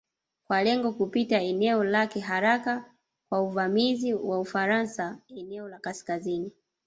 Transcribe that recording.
Kwa lengo kupita eneo lake haraka kwa uvamizi wa Ufaransa eneo la Kaskazini